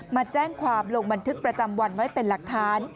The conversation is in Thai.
มาแจ้งความลงบันทึกประจำวันไว้เป็นหลักฐาน